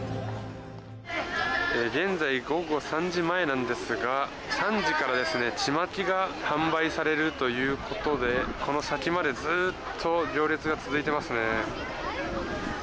現在午後３時前なんですが３時からちまきが販売されるということでこの先までずっと行列が続いていますね。